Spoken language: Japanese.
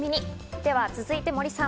では続いて森さん。